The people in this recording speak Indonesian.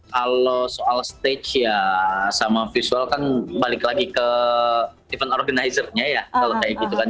kalau soal stage ya sama visual kan balik lagi ke event organizer nya ya kalau kayak gitu kan